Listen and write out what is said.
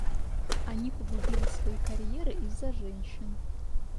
Они погубили свои карьеры из-за женщин.